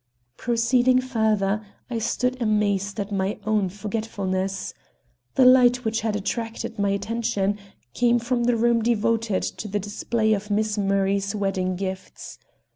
Proceeding further, I stood amazed at my own forgetfulness. The light which had attracted my attention came from the room devoted to the display of Miss Murray's wedding gifts.